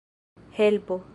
helpo